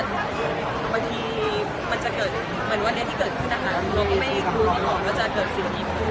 ปกติมันจะเกิดเหมือนวันที่เกิดขึ้น